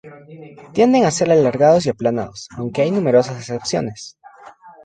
Tienden a ser alargados y aplanados, aunque hay numerosas excepciones.